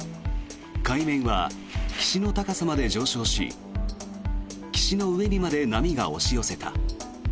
海面は岸の高さまで上昇し岸の上にまで波が押し寄せた。